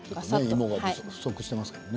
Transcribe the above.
芋が不足していますからね。